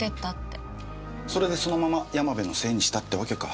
それでそのまま山部のせいにしたってわけか。